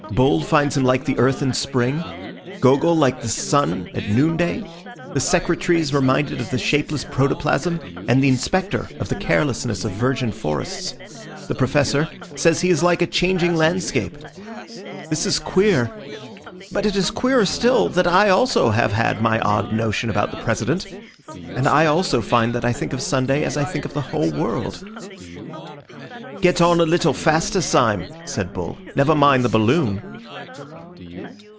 Bull finds him like the earth in spring, Gogol like the sun at noonday. The Secretary is reminded of the shapeless protoplasm, and the Inspector of the carelessness of virgin forests. The Professor says he is like a changing landscape. This is queer, but it is queerer still that I also have had my odd notion about the President, and I also find that I think of Sunday as I think of the whole world." "Get on a little faster, Syme," said Bull; "never mind the balloon."